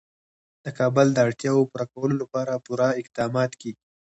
د کابل د اړتیاوو پوره کولو لپاره پوره اقدامات کېږي.